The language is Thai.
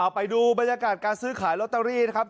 ไปดูบรรยากาศการซื้อขายลอตเตอรี่นะครับ